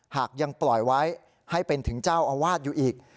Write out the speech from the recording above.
หากยังปล่อยไว้ให้เป็นถึงเจ้าอาวาสอยู่อีก